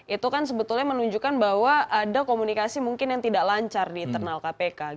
itu kan sebetulnya menunjukkan bahwa ada komunikasi mungkin yang tidak lancar di internal kpk